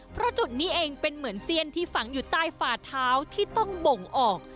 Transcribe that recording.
เพราะจุดนี้เองเป็นเหมือนเสี้ยนที่ฝังอยู่ใต้ฝาเท้าที่ต้องบ่งออก